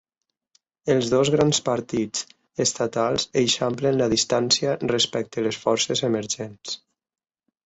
Els dos grans partits estatals eixamplen la distància respecte les forces emergents.